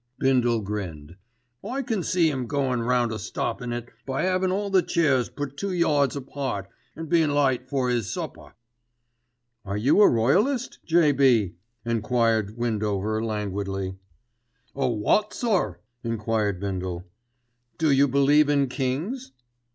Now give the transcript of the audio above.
'" Bindle grinned. "I can see 'im goin' round a stoppin' it by 'avin' all the chairs put two yards apart, an' bein' late for 'is supper." "Are you a royalist, J.B.?" enquired Windover languidly. "A wot, sir?" enquired Bindle. "Do you believe in kings?"